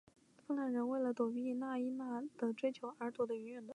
芬兰人为了躲避纳伊娜的追求而躲得远远的。